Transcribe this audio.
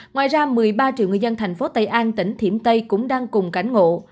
ngoài ra một mươi ba triệu người dân thành phố tây an tỉnh thiểm tây cũng đang cùng cảnh ngộ